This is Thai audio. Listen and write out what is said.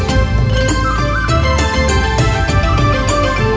โชว์สี่ภาคจากอัลคาซ่าครับ